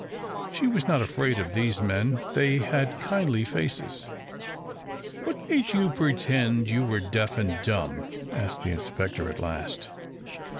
She was not afraid of these men, they had kindly faces. "What made you pretend you were deaf and dumb?" asked the inspector, at last.